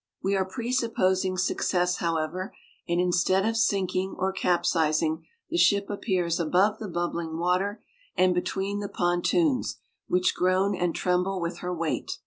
We are presupposing success, however, and instead of sinking or capsizing, the ship appears above the bubbling water, and between the pontoons, which groan and tremble with her weight.